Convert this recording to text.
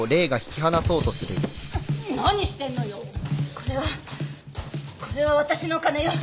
これはこれは私のお金よ。